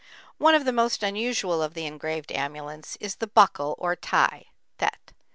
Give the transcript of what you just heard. One of the most usual of the engraved amulets is the buckle or tie (thet).